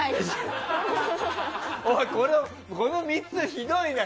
この３つひどいな。